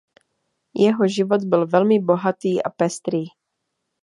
Jeho život byl velmi bohatý a pestrý.